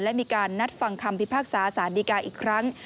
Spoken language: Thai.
และมีการนัดฟังคำพิพากษาสารดีกาอีกครั้ง